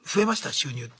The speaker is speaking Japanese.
収入って。